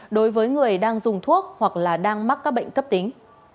đối với người đang dùng thuốc hoặc là đang mắc các bệnh cấp tính